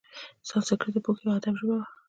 سانسکریت د پوهې او ادب ژبه وه.